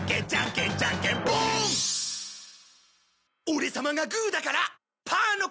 オレ様がグーだからパーの勝ち！